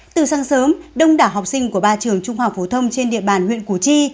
từ sáng sớm đông đảo học sinh của ba trường trung học phổ thông trên địa bàn huyện củ chi